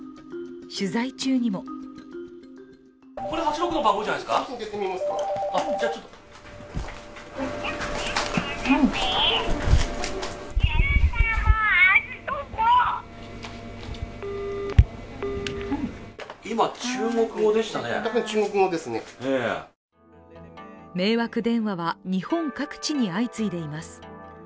取材中にも迷惑電話は日本各地に相次いでいます。